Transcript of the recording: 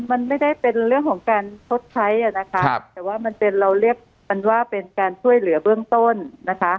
มันไม่ได้เป็นเรื่องของการชดใช้อ่ะนะคะแต่ว่ามันเป็นเราเรียกมันว่าเป็นการช่วยเหลือเบื้องต้นนะคะ